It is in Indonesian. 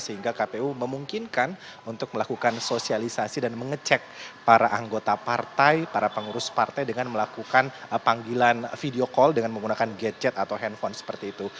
sehingga kpu memungkinkan untuk melakukan sosialisasi dan mengecek para anggota partai para pengurus partai dengan melakukan panggilan video call dengan menggunakan gadget atau handphone seperti itu